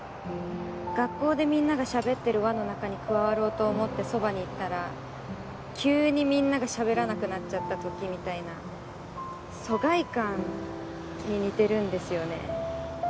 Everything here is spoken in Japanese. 学校でみんなが喋ってる輪の中に加わろうと思ってそばに行ったら急にみんなが喋らなくなっちゃった時みたいな疎外感に似てるんですよね。